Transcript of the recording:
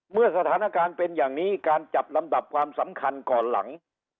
เมื่อสถานการณ์เป็นอย่างนี้การจับลำดับความสำคัญก่อนหลัง